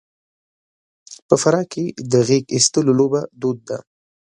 په فراه کې د غېږاېستلو لوبه دود ده.